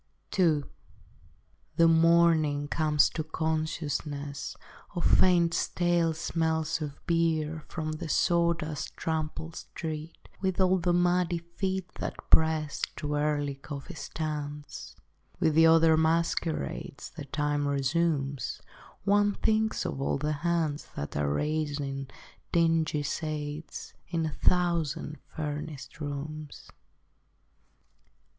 II The morning comes to consciousness Of faint stale smells of beer From the sawdust trampled street With all its muddy feet that press To early coffee stands. With the other masquerades That time resumes, One thinks of all the hands That are raising dingy shades In a thousand furnished rooms.